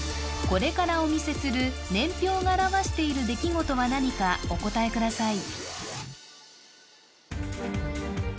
これからお見せする年表が表している出来事は何かお答えください